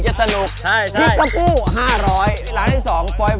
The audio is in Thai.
มันต้องต่างกันอย่างนี้ถึงจะสนุก